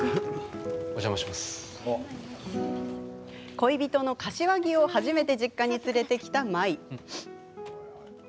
恋人の柏木を初めて実家に連れてきた舞。